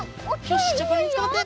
よしじゃあこれにつかまって。